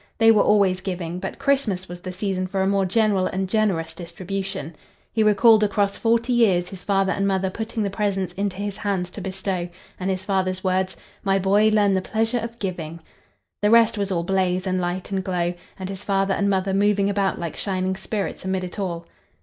They were always giving; but Christmas was the season for a more general and generous distribution. He recalled across forty years his father and mother putting the presents into his hands to bestow, and his father's words, "My boy, learn the pleasure of giving." The rest was all blaze and light and glow, and his father and mother moving about like shining spirits amid it all.